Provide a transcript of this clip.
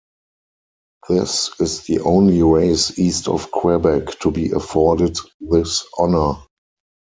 This is the only race east of Quebec to be afforded this honour.